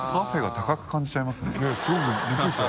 竹中）ねぇすごくびっくりした。